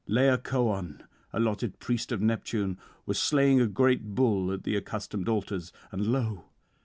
Laocoön, allotted priest of Neptune, was slaying a great bull at the accustomed altars. And lo!